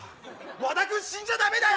和田君死んじゃ駄目だよ！